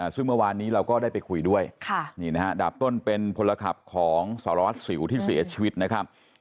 ซึ่งเมื่อวานนี้เราก็ได้ไปคุยด้วยนี่นะฮะดาบต้นเป็นพลขับของสารวัตรสิวที่เสียชีวิตนะครับ